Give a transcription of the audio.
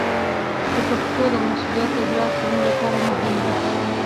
د پښتو د مسوولیت ادراک زموږ لپاره مهم دی.